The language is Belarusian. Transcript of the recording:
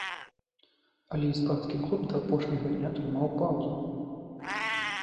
Але іспанскі клуб да апошняга дня трымаў паўзу.